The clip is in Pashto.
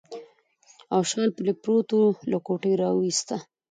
او شال پرې پروت و، له کوټې راوایسته.